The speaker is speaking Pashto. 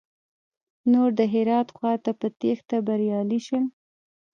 نور د هرات خواته په تېښته بريالي شول.